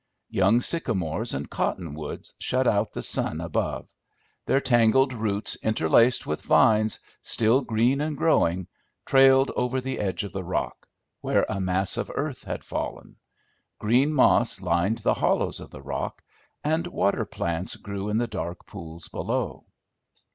Young sycamores and cottonwoods shut out the sun above; their tangled roots, interlaced with vines still green and growing, trailed over the edge of the rock, where a mass of earth had fallen; green moss lined the hollows of the rock, and water plants grew in the dark pools below.